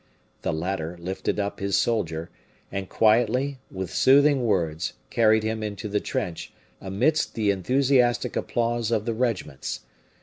The latter lifted up his soldier, and quietly, with soothing words, carried him into the trench, amidst the enthusiastic applause of the regiments.